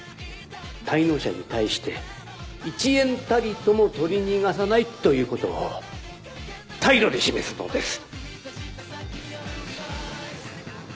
滞納者に対して１円たりとも取り逃がさないということを態度で示すのです。